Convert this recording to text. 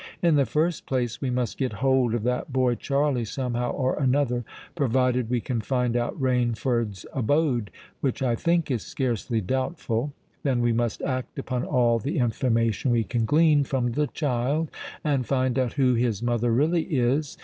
In the first place we must get hold of that boy Charley somehow or another—provided we can find out Rainford's abode, which I think is scarcely doubtful. Then we must act upon all the information we can glean from the child, and find out who his mother really is.